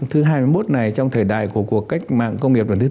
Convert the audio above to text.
thì thứ hai mươi một này trong thời đại của cuộc cách mạng công nghiệp và thứ bốn